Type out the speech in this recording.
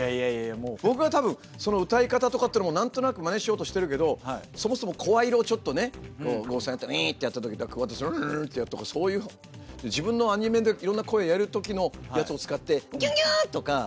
僕はたぶんその歌い方とかっていうのも何となくマネしようとしてるけどそもそも声色をちょっとねこう合成だったら「ウイ」ってやって「オワ」ってやるとかそういう自分のアニメでいろんな声やるときのやつを使って「ギュンギュン！」とかね「さかなクンです！」